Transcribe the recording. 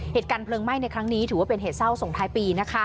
เหตุการณ์เพลิงไหม้ในครั้งนี้ถือว่าเป็นเหตุเศร้าส่งท้ายปีนะคะ